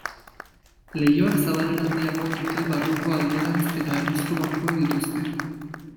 Leihoak zabalera handiago dute barruko alderantz eta harrizko bankuak dituzte.